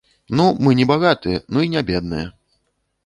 Ну, мы не багатыя, ну і не бедныя.